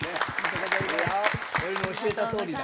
俺の教えたとおりだ。